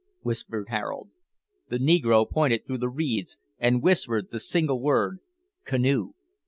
whispered Harold. The negro pointed through the reeds, and whispered the single word "Canoe."